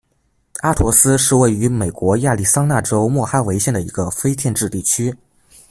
阿陀斯是位于美国亚利桑那州莫哈维县的一个非建制地区。